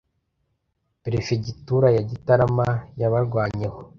Perefegitura ya Gitarama Yabarwanyeho